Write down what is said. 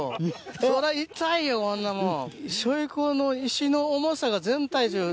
そら痛いよほんなもん。